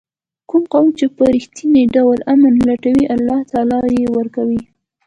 کوم قوم چې په رښتیني ډول امن لټوي الله تعالی یې ورکوي.